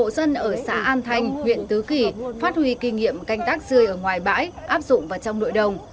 dân ở xã an thanh huyện tứ kỳ phát huy kinh nghiệm canh tác dươi ở ngoài bãi áp dụng vào trong nội đồng